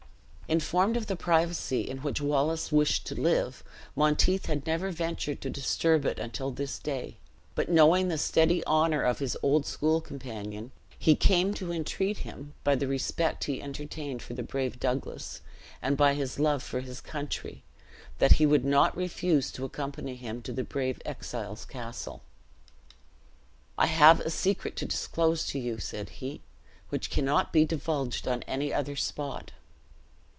Informed of the privacy in which Wallace wished to live, Monteith had never ventured to disturb it until this day; but knowing the steady honor of his old school companion, he came to entreat him, by the respect he entertained for the brave Douglas, and by his love for his country, that he would not refuse to accompany him to the brave exile's castle. "I have a secret to disclose to you," said he, "which cannot be divulged on any other spot."